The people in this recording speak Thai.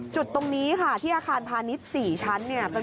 จุดตรงนี้ค่ะที่อาคารพาณิชย์๔ชั้นเนี่ย